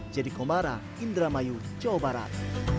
jadi komara indramayu jawa barat